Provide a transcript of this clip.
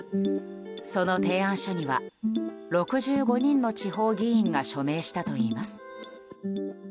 その提案書には、６５人の地方議員が署名したといいます。